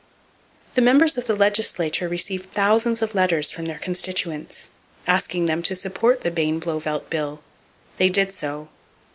The members of the legislature received thousands of letters from their constituents, asking them to support the Bayne Blauvelt bill. They did so.